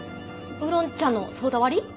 ウーロン茶のソーダ割り。